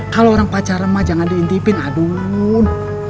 kalo orang pacar mah jangan diintipin adun